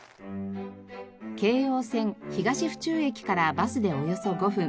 京王線東府中駅からバスでおよそ５分。